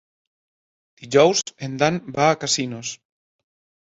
Dijous en Dan va a Casinos.